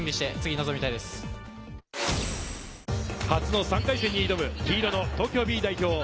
初の３回戦に挑む黄色の東京Ｂ代表